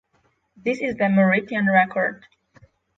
This is the Mauritian record.